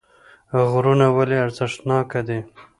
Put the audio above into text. غرونه ولې ارزښتناکه دي